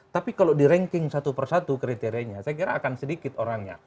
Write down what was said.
tapi kalau di ranking satu persatu kriterianya saya kira akan sedikit orangnya